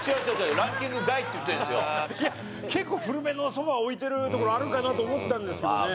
いや結構古めのソファ置いてるところあるかなと思ったんですけどね。